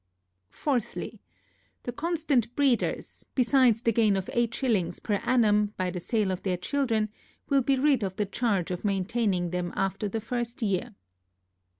Fourthly, The constant breeders, besides the gain of eight shillings sterling per annum by the sale of their children, will be rid of the charge of maintaining them after the first year.